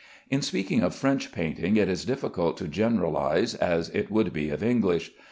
In speaking of French painting it is as difficult to generalize as it would be of English.